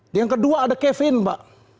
yang kedua ada kevin mbak